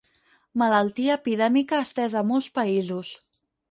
Malaltia epidèmica estesa a molts països.